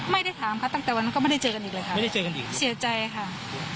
ไม่ได้เจอกันอีกหรอเสียใจค่ะ